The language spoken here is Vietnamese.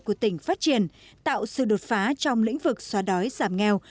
của tỉnh phát triển tạo sự đột phá trong lĩnh vực xóa đói giảm nghèo